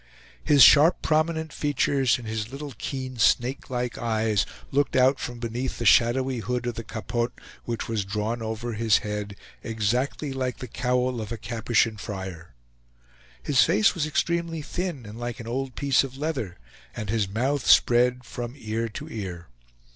His sharp prominent features, and his little keen snakelike eyes, looked out from beneath the shadowy hood of the capote, which was drawn over his head exactly like the cowl of a Capuchin friar. His face was extremely thin and like an old piece of leather, and his mouth spread from ear to ear.